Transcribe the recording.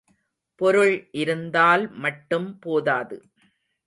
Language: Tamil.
பொருள் இருந்தால் மட்டும் போதாது.